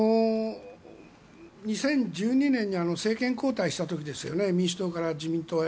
２０１２年に政権交代した時民主党から自民党へ。